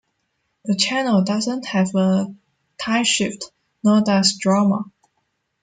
The channel doesn't have a timeshift, nor does Drama.